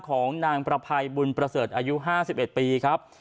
ของนางประภัยบุญประเสริฐอายุ๕๑ปีครับ